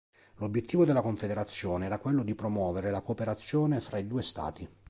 L'obiettivo della confederazione era quello di promuovere la cooperazione fra i due stati.